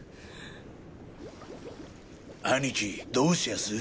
兄貴どうしやす？